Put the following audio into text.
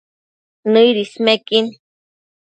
Nëid ismequin